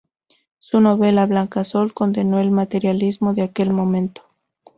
Su novela "Blanca Sol" condenó el materialismo de aquel momento.